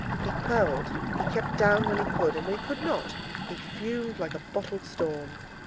He quelled, he kept down when he could; and when he could not, he fumed like a bottled storm.